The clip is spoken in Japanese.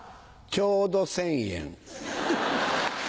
ちょうど１０００円。